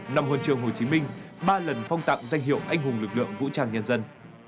nằm huân chương hồ chí minh ba lần phong tạm danh hiệu anh hùng lực lượng vũ trang nhân dân